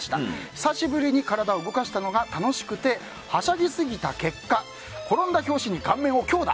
久しぶりに体を動かしたのが楽しくてはしゃぎすぎた結果転んだ拍子に顔面を強打。